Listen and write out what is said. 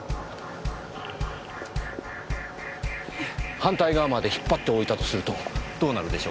反対側まで引っ張っておいたとするとどうなるでしょうね？